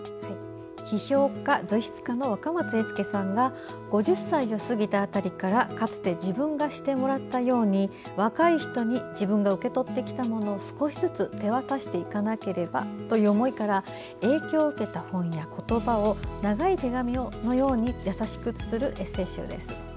批評家・随筆家の若松英輔さんが「５０歳を過ぎた辺りからかつて自分がしてもらったように若い人に自分が受け取ってきたものを少しずつ手渡していかなければ」との思いから影響を受けた本や言葉を長い手紙のように優しくつづるエッセー集です。